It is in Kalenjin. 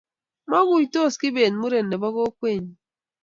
maguytos kibet muren nebo kokwetnyi